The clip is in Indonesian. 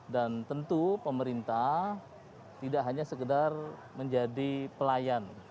dan tentu pemerintah tidak hanya sekedar menjadi pelayan